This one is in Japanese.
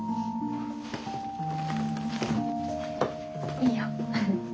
いいよ。